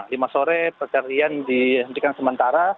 lima sore pencarian dihentikan sementara